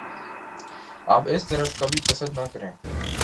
آپ اس طرف کا کبھی قصد نہ کریں ۔